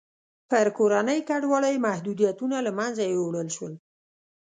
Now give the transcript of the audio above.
پر کورنۍ کډوالۍ محدودیتونه له منځه یووړل شول.